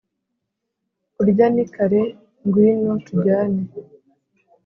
Kurya ni kare ngwino tujyane